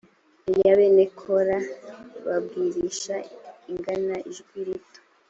iya bene k ra babwirisha inanga ijwi rito